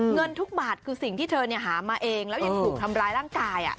เงินทุกบาทคือสิ่งที่เธอหามาเองแล้วยังถูกทำร้ายร่างกาย